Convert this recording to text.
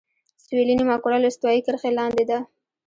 سویلي نیمهکره له استوایي کرښې لاندې ده.